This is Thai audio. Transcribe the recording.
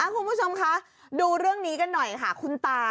คุณผู้ชมคะดูเรื่องนี้กันหน่อยค่ะคุณตา